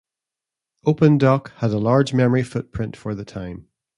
OpenDoc had a large memory footprint for the time.